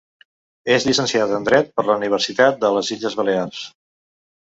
És llicenciada en dret per la Universitat de les Illes Balears.